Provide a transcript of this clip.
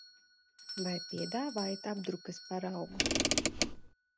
Vai piedāvājat apdrukas paraugus?